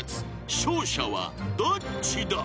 ［勝者はどっちだ？］